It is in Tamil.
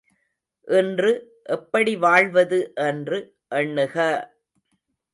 இன்று எப்படி வாழ்வது என்று எண்ணுக!